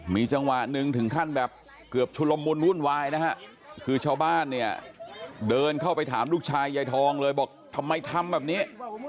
มีจังหวะหนึ่งถึงขั้นแบบเกือบชุลมุนวุ่นวายนะฮะคือชาวบ้านเนี่ยเดินเข้าไปถามลูกชายยายทองเลยบอกทำไมทำแบบนี้